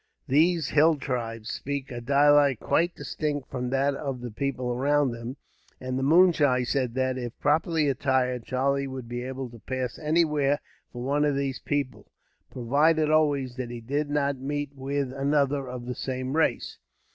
These hill tribes speak a dialect quite distinct from that of the people around them, and the moonshee said that, if properly attired, Charlie would be able to pass anywhere for one of these people; provided, always, that he did not meet with another of the same race.